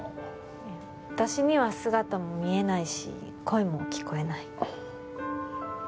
いや私には姿も見えないし声も聞こえない